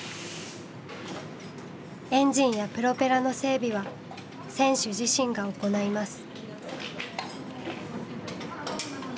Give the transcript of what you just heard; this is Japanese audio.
エンジンやプロペラの整備は選手自身が行います。